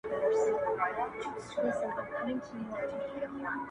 • تل یې لاس د خپل اولس په وینو سور وي -